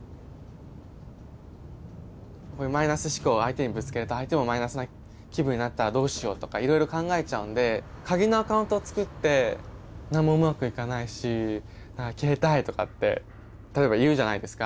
こういうマイナス思考を相手にぶつけると相手もマイナスな気分になったらどうしようとかいろいろ考えちゃうんで鍵のアカウントを作って「何もうまくいかないし消えたい」とかって例えば言うじゃないですか。